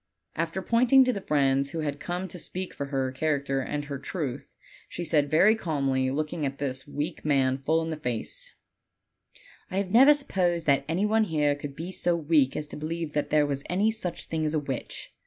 After pointing to the friends who had come to speak for her character and her truth, she said very calmly, looking at this weak man full in the face: "1 never supposed that any one here could be so weak as to believe that there was any such thing as a witch.